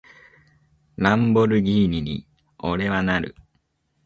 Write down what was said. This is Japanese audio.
ランボルギーニに、俺はなる！